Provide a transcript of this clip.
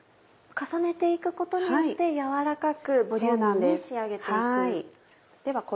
重ねて行くことによって軟らかくボリューミーに仕上げて行く。